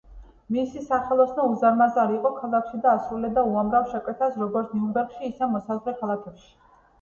მისი სახელოსნო უზარმაზარი იყო ქალაქში და ასრულებდა უამრავ შეკვეთას როგორც ნიურნბერგში ისე მოსაზღვრე ქალაქებში.